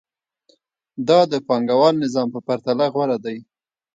دا د پانګوال نظام په پرتله غوره دی